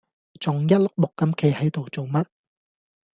仲一碌木咁企係度做乜